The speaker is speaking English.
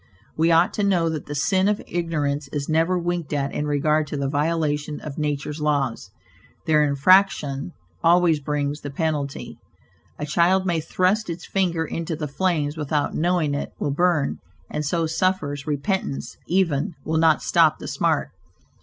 We ought to know that the "sin of ignorance" is never winked at in regard to the violation of nature's laws; their infraction always brings the penalty. A child may thrust its finger into the flames without knowing it will burn, and so suffers, repentance, even, will not stop the smart.